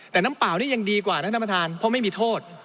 แต่น้ำเปล่านี่ยังดีกว่านะท่านประธานเพราะไม่มีโทษ